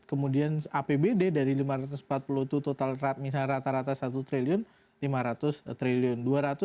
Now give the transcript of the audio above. kemudian apbd dari rp lima ratus empat puluh itu total misalnya rata rata satu triliun rp lima ratus triliun